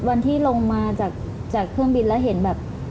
วันที่ลงมาจากเครื่องบินแล้วเห็นแบบ